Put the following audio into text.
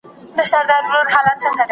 دولت د نوښتونو لپاره مناسبه زمینه برابروي.